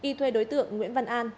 y thuê đối tượng nguyễn văn an